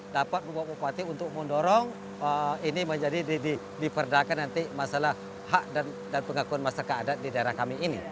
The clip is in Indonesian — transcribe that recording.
dapat bapak bupati untuk mendorong ini menjadi diperdakan nanti masalah hak dan pengakuan masyarakat adat di daerah kami ini